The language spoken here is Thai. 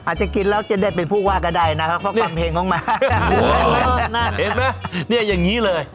อาจจะกินแล้วจะได้เป็นผู้ว่าก็ได้นะครับเพราะฟังเพลงของม้าเห็นไหมเนี่ยอย่างนี้เลย